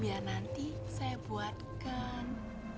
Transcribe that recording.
biar nanti saya buatkan